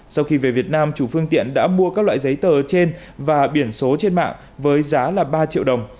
sau khi về việt nam chủ phương tiện đã mua các loại giấy tờ trên và biển số trên mạng với giá ba triệu đồng